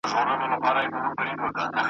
زما یې له محفل سره یوه شپه را لیکلې ده `